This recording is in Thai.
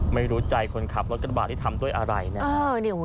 ไม่รู้ใจคนขับรถกระบาดที่ทำด้วยอะไรนะ